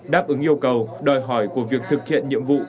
đáp ứng yêu cầu đòi hỏi của việc thực hiện nhiệm vụ